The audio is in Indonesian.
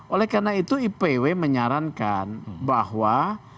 oleh karena itu ipw menyarankan bahwa